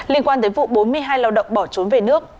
liên quan tới vụ bốn mươi hai lao động bỏ trốn về nước